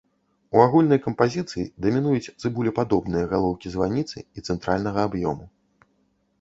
У агульнай кампазіцыі дамінуюць цыбулепадобныя галоўкі званіцы і цэнтральнага аб'ёму.